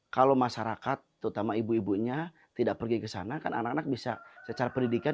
kalau masyarakat terutama ibu ibunya tidak pergi ke sana kan anak anak bisa secara pendidikan